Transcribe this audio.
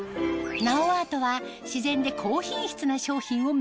ナオアートは自然で高品質な商品を目指し